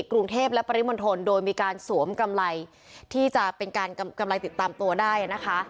กรุงเทพและปริมณฑลโดยมีการสวมกำไรที่จะเป็นการกำลังติดตามตัวได้นะคะ